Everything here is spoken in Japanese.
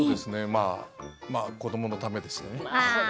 子どものためですね。